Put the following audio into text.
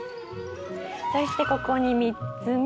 そしてここに３つ目。